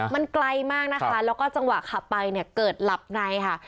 มันไกลมากนะคะแล้วก็จังหวะขับไปเนี่ยเกิดหลับในค่ะ